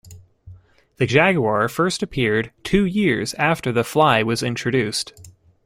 "The Jaguer" first appeared two years after "The Fly" was introduced.